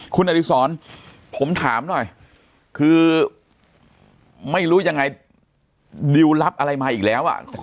คุณอดิษรผมถามหน่อยคือไม่รู้ยังไงดิวรับอะไรมาอีกแล้วอ่ะ